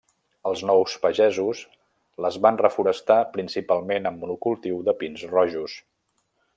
Els nous pagesos les van reforestar principalment amb monocultiu de pins rojos.